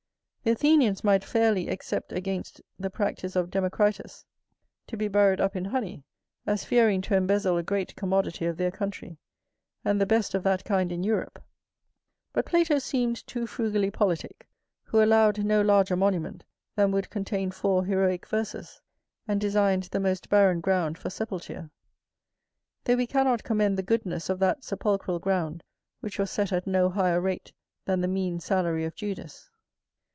The Athenians might fairly except against the practice of Democritus, to be buried up in honey, as fearing to embezzle a great commodity of their country, and the best of that kind in Europe. But Plato seemed too frugally politick, who allowed no larger monument than would contain four heroick verses, and designed the most barren ground for sepulture: though we cannot commend the goodness of that sepulchral ground which was set at no higher rate than the mean salary of Judas.